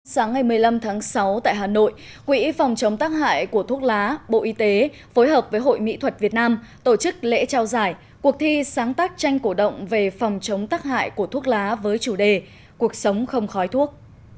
sáng ngày một mươi năm tháng sáu tại hà nội quỹ phòng chống tác hại của thuốc lá bộ y tế phối hợp với hội mỹ thuật việt nam tổ chức lễ trao giải cuộc thi sáng tác tranh cổ động về phòng chống tắc hại của thuốc lá với chủ đề cuộc sống không khói thuốc